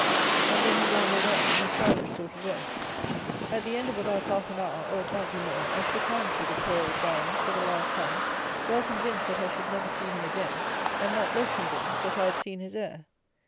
And then he rambled on in a childish sort of way. At the end of about half an hour, or, it might be more, I shook hands with the poor old Baron for the last time, well convinced that I should never see him again, and not less convinced, that I had seen his heir.